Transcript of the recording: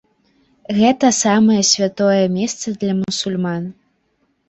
Гэта самае святое месца для мусульман.